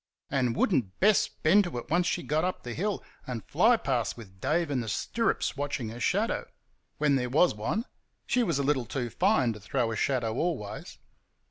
And would n't Bess bend to it once she got up the hill, and fly past with Dave in the stirrups watching her shadow! when there was one: she was a little too fine to throw a shadow always.